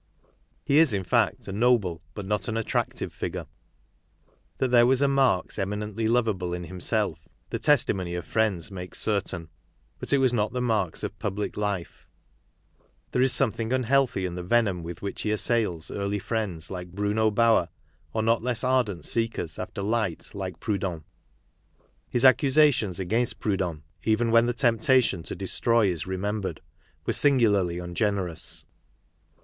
He is, in fact, a noble, but not an attractive figure. That there was a Marx eminently lovable in himself, the testimony of friends makes certain ; but it was not the Marx of public life. There is something unhealthy in the venom with which he assails early friends like Bruno Bauer, or not less ardent seekers after light like Proudhon. His accusations against Proudhon, even when the temptation to destroy is remembered, were singularly ungenerous.